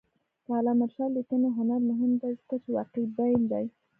د علامه رشاد لیکنی هنر مهم دی ځکه چې واقعبین دی.